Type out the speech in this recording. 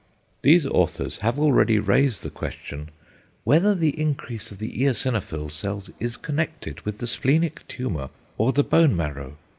These authors have already raised the question "whether the increase of the eosinophil cells is connected with the splenic tumour or the bone marrow?